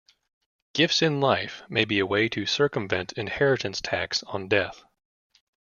Gifts in life may be a way to circumvent inheritance tax on death.